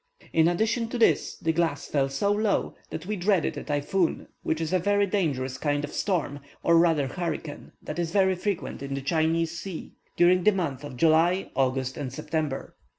In addition to this, the glass fell so low, that we dreaded a Tai foon, which is a very dangerous kind of storm, or rather hurricane, that is very frequent in the Chinese sea during the months of July, August, and September.